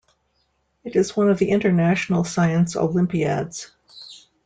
It is one of the International Science Olympiads.